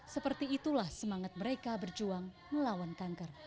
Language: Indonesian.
seperti itulah semangat mereka berjuang melawan kanker